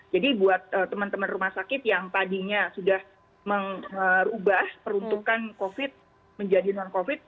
jadi buat teman teman rumah sakit yang tadinya sudah mengubah peruntukan covid menjadi non covid